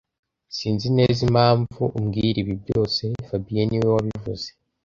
Sinzi neza impamvu umbwira ibi byose fabien niwe wabivuze